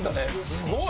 すごい！